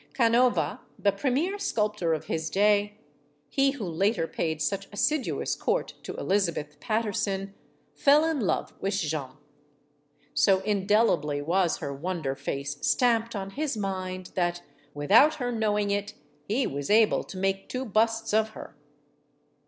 Canova, the premier sculptor of his day he who later paid such assiduous court to Elizabeth Patterson fell in love with Jeanne. So indelibly was her wonder 246 STORIES OF THE SUPER WOMEN face stamped on his mind that, without her knowing it, he was able to make two busts of her.